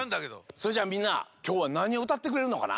それじゃあみんなきょうはなにをうたってくれるのかな？